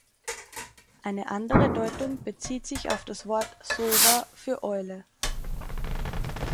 Eine andere Deutung bezieht sich auf das Wort „sowa“ für Eule.